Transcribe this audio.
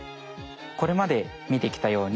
これまでみてきたように